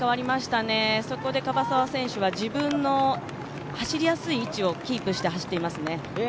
そこで樺沢選手は自分の走りやすい位置をキープして走ってますね。